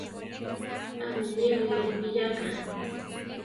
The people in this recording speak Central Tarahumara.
¿Ámi niwi ripiyáka?